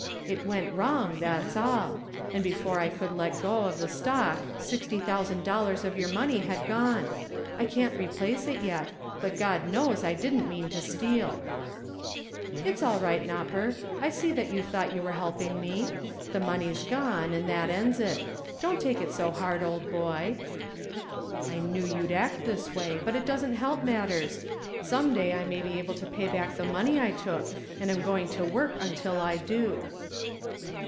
It went wrong, that's all, and before I could let go of the stock sixty thousand dollars of your money had gone. I can't replace it yet. But God knows I didn't mean to steal." "It's all right, Nopper. I see that you thought you were helping me. The money's gone and that ends it. Don't take it so hard, old boy." "I knew you'd act this way, but it doesn't help matters. Some day I may be able to pay back the money I took, and I'm going to work until I do."